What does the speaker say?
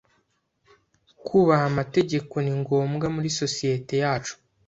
Kubaha amategeko ni ngombwa muri sosiyete yacu.